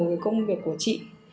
cái công việc của chị